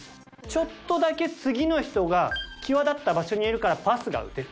ちょっとだけ次の人が際立った場所にいるからパスが打てる。